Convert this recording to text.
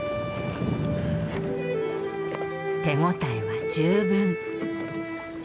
手応えは十分。